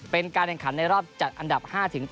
เป็นการแข่งขันในรอบจัดอันดับ๕๘